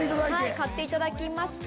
買っていただきまして。